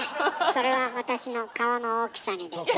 それは私の顔の大きさにでしょ？